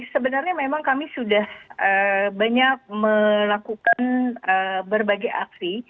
sebenarnya memang kami sudah banyak melakukan berbagai aksi